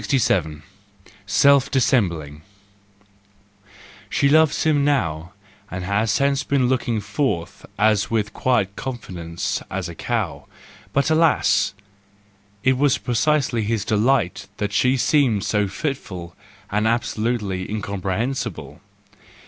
Self dissembling .—She loves him now and has since been looking forth with as quiet confidence as a cow; but alas! It was precisely his delight that she seemed so fitful and absolutely incompre¬ hensible